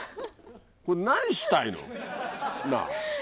これ何したいの？なぁ？